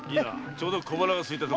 ちょうど小腹が空いた。